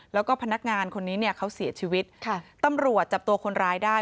แล้วก็พนักงานคนนี้เนี่ยเขาเสียชีวิตค่ะตำรวจจับตัวคนร้ายได้